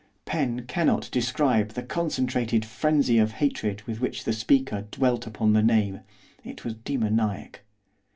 Pen cannot describe the concentrated frenzy of hatred with which the speaker dwelt upon the name, it was demoniac.